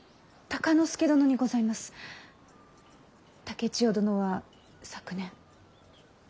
竹千代殿は昨年。